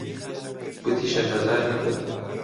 گوتی شەرمەزار نەبووم.